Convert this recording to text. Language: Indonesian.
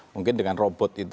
mungkin dengan robot itu